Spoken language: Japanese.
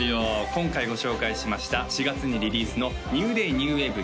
今回ご紹介しました４月にリリースの「Ｎｅｗｄａｙ！Ｎｅｗｗａｖｅ！